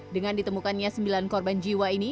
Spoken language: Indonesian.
dengan ditemukannya sembilan korban jiwa ini